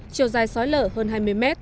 chiều dài xói lở hơn hai mươi m